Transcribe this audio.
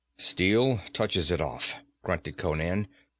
'Steel touches it off,' grunted Conan.